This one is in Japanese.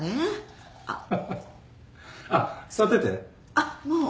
あっもう。